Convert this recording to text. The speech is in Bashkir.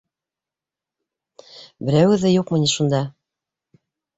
Берәүегеҙ ҙә юҡмы ни шунда?